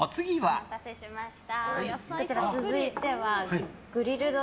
お待たせしました。